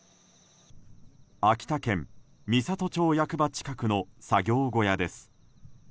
秋田県美郷町役場近くの作業小屋です。